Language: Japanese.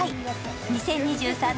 ２０２３年